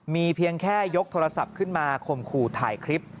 มีเพียงแค่ยกโทรศัพท์ขึ้นมาข่มขู่ถ่ายคลิป